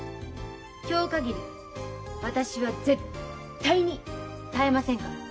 今日限り私は絶対に耐えませんから。